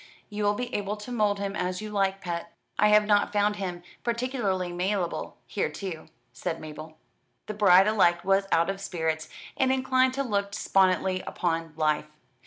"You will be able to mould him as you like, pet." "I have not found him particularly malleable hitherto," said Mabel. The bride elect was out of spirits, and inclined to look despondently upon life.